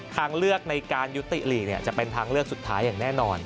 ทางเลือกในการยุติหลีกจะเป็นทางเลือกสุดท้ายอย่างแน่นอน